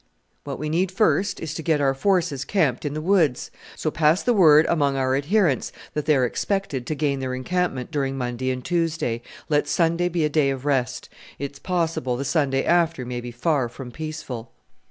What we need first is to get our forces camped in the woods. So pass the word among our adherents that they are expected to gain their encampment during Monday and Tuesday. Let Sunday be a day of rest; it is possible the Sunday after may be far from peaceful!"